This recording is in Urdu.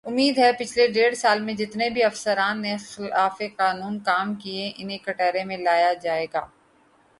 امید ہے پچھلے ڈیڑھ سال میں جتنے بھی افسران نے خلاف قانون کام کیے انہیں کٹہرے میں لایا جائے گا